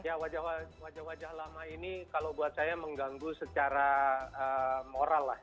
ya wajah wajah lama ini kalau buat saya mengganggu secara moral lah